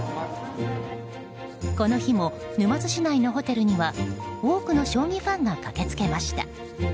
この日も沼津市内のホテルには多くの将棋ファンが駆けつけました。